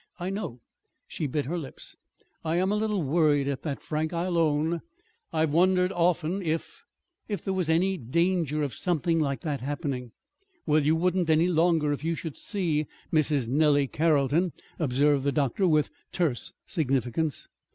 "I know." She bit her lips. "I am a little worried at that, Frank, I'll own. I've wondered, often, if if there was ever any danger of something like that happening." "Well, you wouldn't wonder any longer, if you should see Mrs. Nellie Carrolton," observed the doctor, with terse significance.